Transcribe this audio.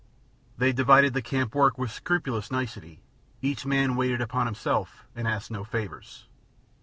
They divided the camp work with scrupulous nicety, each man waited upon himself and asked no favors.